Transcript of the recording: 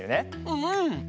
うん。